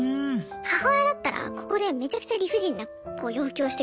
母親だったらここでめちゃくちゃ理不尽な要求をしてくると。